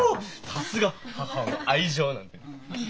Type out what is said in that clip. さすが「母の愛情」なんてね。